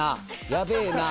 やべえな」。